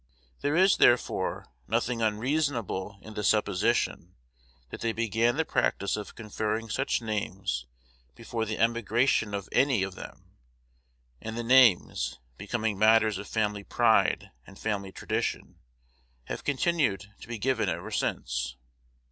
There is, therefore, nothing unreasonable in the supposition that they began the practice of conferring such names before the emigration of any of them; and the names, becoming matters of family pride and family tradition, have continued to be given ever since.